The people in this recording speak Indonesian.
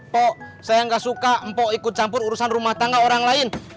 pok saya gak suka mpok ikut campur urusan rumah tangga orang lain